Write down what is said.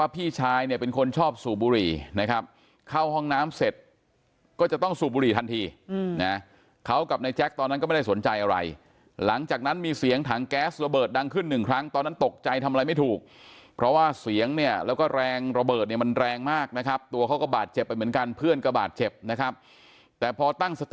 พี่ชายเนี่ยเป็นคนชอบสูบบุหรี่นะครับเข้าห้องน้ำเสร็จก็จะต้องสูบบุหรี่ทันทีนะเขากับนายแจ๊คตอนนั้นก็ไม่ได้สนใจอะไรหลังจากนั้นมีเสียงถังแก๊สระเบิดดังขึ้นหนึ่งครั้งตอนนั้นตกใจทำอะไรไม่ถูกเพราะว่าเสียงเนี่ยแล้วก็แรงระเบิดเนี่ยมันแรงมากนะครับตัวเขาก็บาดเจ็บไปเหมือนกันเพื่อนก็บาดเจ็บนะครับแต่พอตั้งสติ